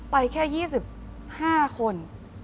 ไปแค่๒๕คน